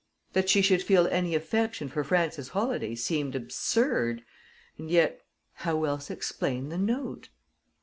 That she should feel any affection for Frances Holladay seemed absurd, and yet, how else explain the note?